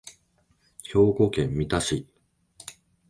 兵庫県三田市